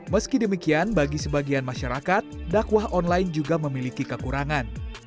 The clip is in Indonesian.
meski demikian bagi sebagian masyarakat dakwah online juga memiliki kekurangan